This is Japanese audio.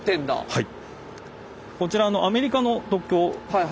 はい。